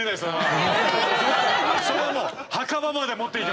それはもう。